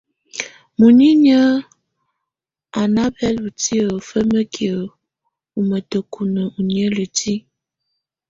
Muinǝ́niǝ́ á ná bǝ́lutiǝ́ fǝ́mǝ́kiǝ́ ú mǝ́tǝ́kunǝ́ ú niǝ́lǝ́ti.